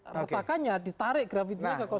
retakannya ditarik grafitinya ke dua